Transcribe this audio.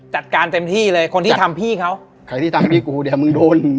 จัดการเต็มที่เลยคนที่ทำพี่เขาใครที่ทำพี่กูเดี๋ยวมึงโดนอืม